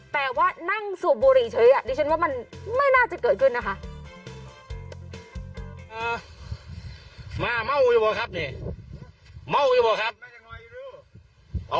แต่ว่านั่งสูบบุหรี่เฉยดิฉันว่ามันไม่น่าจะเกิดขึ้นนะคะ